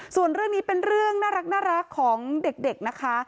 ส่วนเรื่องนี้เป็นเรื่องน่ารักของเด็กนะคะ